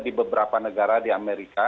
di beberapa negara di amerika